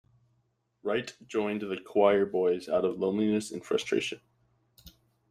Wright joined the choirboys out of loneliness and frustration.